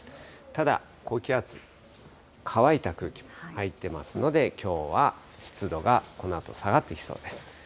ただ、高気圧、乾いた空気が入ってますので、きょうは湿度がこのあと下がってきそうです。